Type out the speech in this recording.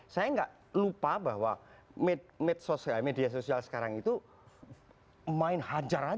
saya nggak lupa bahwa media sosial sekarang itu main hajar aja